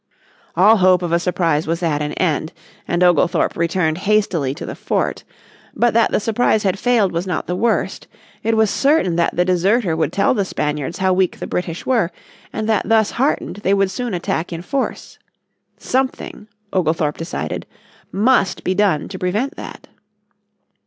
All hope of a surprise was at an end, and Oglethorpe returned hastily to the fort. But that the surprise had failed was not the worst. It was certain that the deserter would tell the Spaniards how weak the British were, and that thus heartened they would soon attack in force. Something, Oglethorpe decided, must be done to prevent that.